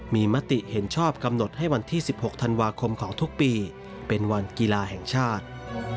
มีมติเห็นชอบกำหนดให้วันที่๑๖ธันวาคมของทุกปีเป็นวันกีฬาแห่งชาติ